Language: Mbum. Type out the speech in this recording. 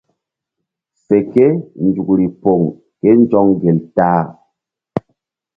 Fe ke nzukri poŋ ké nzɔŋ gel ta-a.